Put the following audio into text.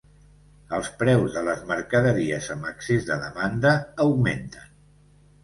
Els preus de les mercaderies amb excés de demanda augmenten.